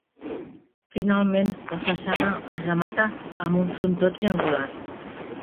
Finalment, la façana es remata amb un frontó triangular.